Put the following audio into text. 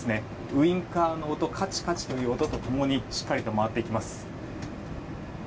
ウインカーの音カチカチという音と共にしっかりと曲がっていきます。